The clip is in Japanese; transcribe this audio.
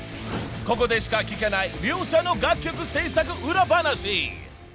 ［ここでしか聞けない両者の楽曲制作裏話］